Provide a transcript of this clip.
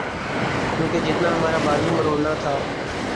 کیونکہ جتنا ہمارا بازو مروڑنا تھا۔